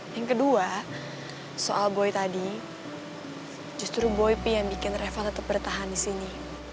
yang kedua soal boy tadi justru boypi yang bikin reval tetap bertahan di sini